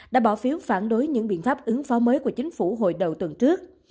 đã bỏ phiếu phản đối những biện pháp ứng phó mới của chính phủ hồi đầu tuần trước